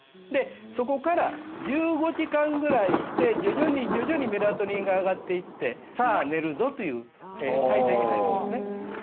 そこから１５時間くらいして徐々に徐々にメラトニンが上がっていってさぁ寝るぞという態勢に入りますね。